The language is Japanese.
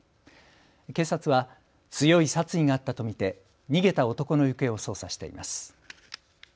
警察は強い殺意があったと見て逃げた男の行方を捜査しています。